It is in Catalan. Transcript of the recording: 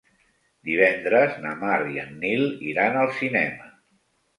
Divendres na Mar i en Nil iran al cinema.